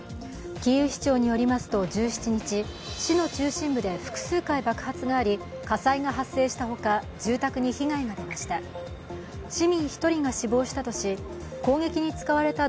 キーウ市長によりますと、１７日市の中心部で複数回爆発があり、火災が発生したほか、住宅に被害が出ました。